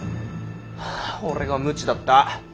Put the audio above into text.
俺が無知だった。